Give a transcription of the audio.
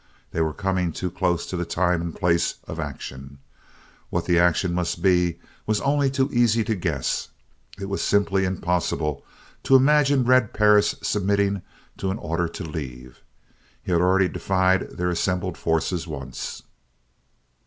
They were coming too close to the time and place of action. What that action must be was only too easy to guess. It was simply impossible to imagine Red Perris submitting to an order to leave. He had already defied their assembled forces once.